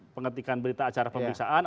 pengetikan berita acara pemeriksaan